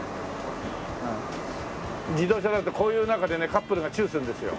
自動車だとこういう中でねカップルがチューするんですよ。